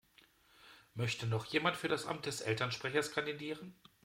Möchte noch jemand für das Amt des Elternsprechers kandidieren?